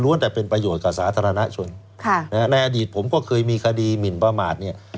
แต่เป็นประโยชน์กับสาธารณชนในอดีตผมก็เคยมีคดีหมินประมาทเนี่ย